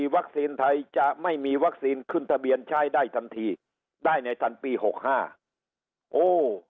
ไทยจะไม่มีวัคซีนขึ้นทะเบียนใช้ได้ทันทีได้ในทันปีหกห้าโอ้